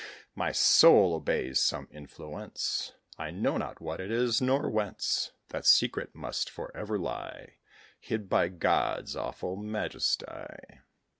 My soul obeys some influence; I know not what it is, nor whence. That secret must for ever lie Hid by God's awful majesty.